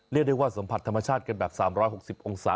เรียกได้ว่าสัมผัสธรรมชาติกันแบบ๓๖๐องศา